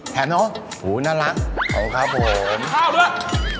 แถมเนอะโหน่ารักเอาครับผมข้าวด้วย